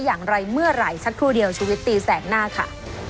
อย่างไรเมื่อไหร่สักครู่เดียวชุวิตตีแสกหน้าค่ะ